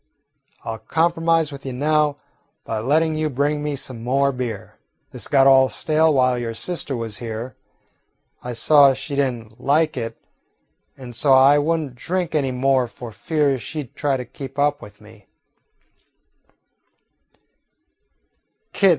I 'll compromise with you now by letting you bring me some more beer. This got all stale while your sister was here. I saw she did n't like it, and so I would n't drink any more for fear she 'd try to keep up with me."